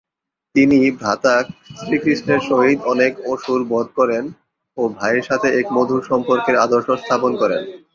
তিনি ভ্রাতা শ্রীকৃষ্ণের সহিত অনেক অসুর বধ করেন ও ভাইয়ের সাথে এক মধুর সম্পর্কের আদর্শ স্থাপন করেন।